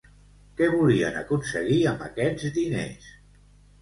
Què volien aconseguir amb aquests diners?